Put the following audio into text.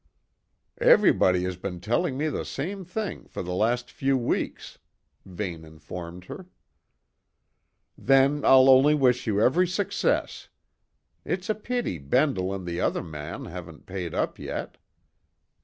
"Everybody has been telling me the same thing for the last few weeks," Vane informed her. "Then I'll only wish you every success. It's a pity Bendle and the other man haven't paid up yet."